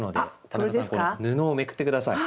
田中さん布をめくって下さい。